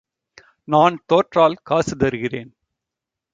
நான் தோற்றால் காசு தருகிறேன்.